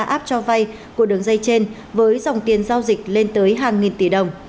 hệ thống ba app cho vay của đường dây trên với dòng tiền giao dịch lên tới hàng nghìn tỷ đồng